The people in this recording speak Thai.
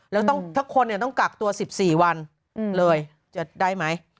แล้วถ้าคนต้องกักตัว๑๔วันเลยจะได้ไหม